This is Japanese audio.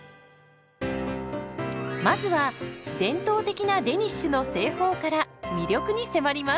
まずは伝統的なデニッシュの製法から魅力に迫ります。